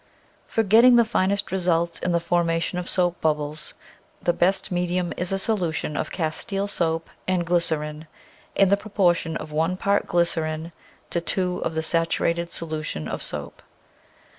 For getting the finest results in the forma tion of soap bubbles, the best medium is a solution of castile soap and glycerin in the proportion of one part glycerin to two of the saturated solution of soap.